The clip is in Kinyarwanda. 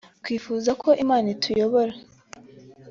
twifuza ko Imana ituyobora